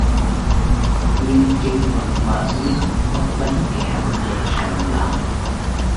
nhưng Trinh vẫn mở nước bóc bánh kẹo để sẵn đó